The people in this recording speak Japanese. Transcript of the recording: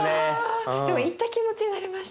でも行った気持ちになれました。